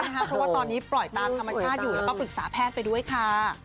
เพราะว่าตอนนี้ปล่อยตามธรรมชาติอยู่แล้วก็ปรึกษาแพทย์ไปด้วยค่ะ